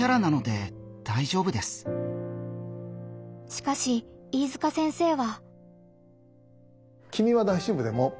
しかし飯塚先生は。